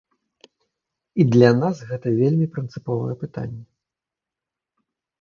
І для нас гэта вельмі прынцыповае пытанне.